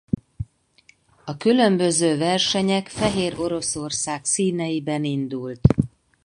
A különböző versenyek Fehéroroszország színeiben indult.